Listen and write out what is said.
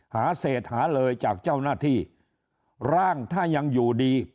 เศษหาเลยจากเจ้าหน้าที่ร่างถ้ายังอยู่ดี